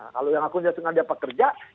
kalau yang aku jatuhkan dia pekasi